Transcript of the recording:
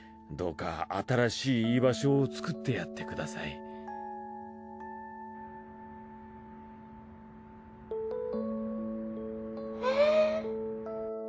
どうか新しい居場所を作ってやってくださいルー。